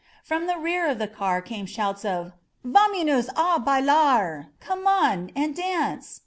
From the rear of the car came shouts of Vamonos a baUart Come on and dance!"